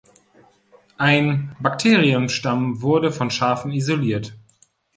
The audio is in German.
Ein Bakterienstamm wurde von Schafen isoliert.